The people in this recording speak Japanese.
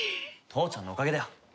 父ちゃんのおかげだよ。